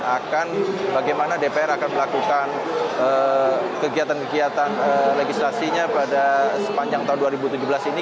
akan bagaimana dpr akan melakukan kegiatan kegiatan legislasinya pada sepanjang tahun dua ribu tujuh belas ini